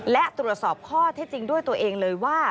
และตรวจสอบข้อเท็จจริงด้วยตัวเองเลยว่า